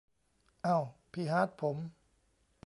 เอ้า พี่ฮาร์ทผม